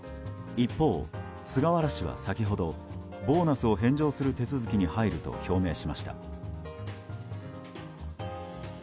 一方、菅原氏は先ほどボーナスを返上する手続きに入ると表明しました。